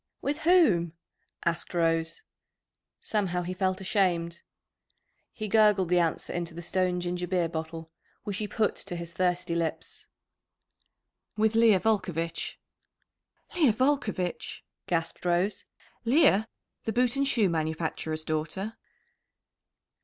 "With whom?" asked Rose. Somehow he felt ashamed. He gurgled the answer into the stone ginger beer bottle, which he put to his thirsty lips. "With Leah Volcovitch!" "Leah Volcovitch!" gasped Rose. "Leah, the boot and shoe manufacturer's daughter?"